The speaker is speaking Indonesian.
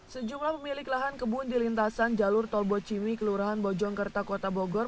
sejumlah pemilik lahan kebun di lintasan jalur tol bocimi kelurahan bojong kerta kota bogor